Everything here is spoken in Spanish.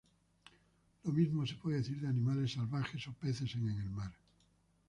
Lo mismo se puede decir de animales salvajes o peces en el mar.